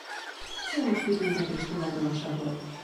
Számos kitüntetés tulajdonosa volt.